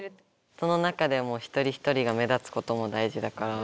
その中でも一人一人が目立つことも大事だから。